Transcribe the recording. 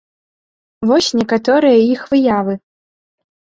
Вось некаторыя іх выявы.